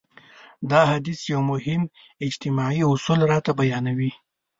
دا حديث يو مهم اجتماعي اصول راته بيانوي.